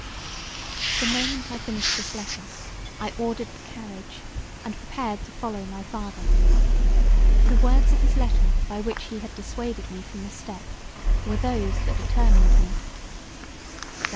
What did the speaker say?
The moment I finished this letter I ordered the carriage and prepared to follow my father. The words of his letter by which he had dissuaded me from this step were those that determined me.